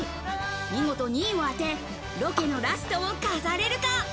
見事２位を当て、ロケのラストを飾れるか？